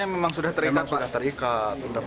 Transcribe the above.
memang sudah terikat